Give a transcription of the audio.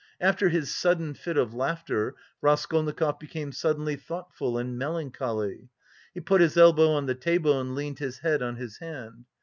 After his sudden fit of laughter Raskolnikov became suddenly thoughtful and melancholy. He put his elbow on the table and leaned his head on his hand.